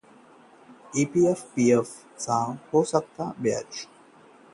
EPF और PPF पर इस साल कम हो सकता है ब्याज